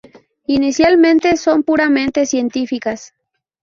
Inicialmente, son puramente científicas.